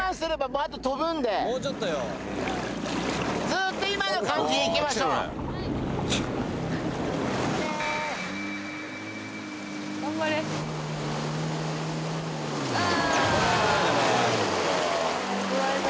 ずっと今の感じでいきましょうあ